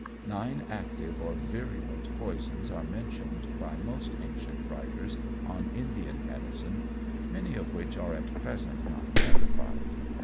Nine active or virulent poisons are mentioned by most ancient writers on Indian medicine, many of which are at present not identified.